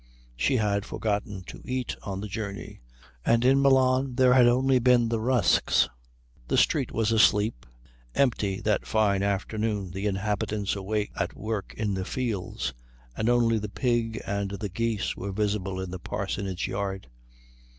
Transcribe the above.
She had forgotten to eat on the journey, and in Milan there had only been the rusks. The street was asleep, empty that fine afternoon, the inhabitants away at work in the fields, and only the pig and the geese were visible in the parsonage yard.